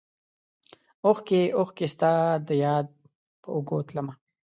اوښکې ، اوښکې ستا دیاد په اوږو تلمه